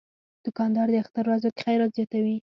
دوکاندار د اختر ورځو کې خیرات زیاتوي.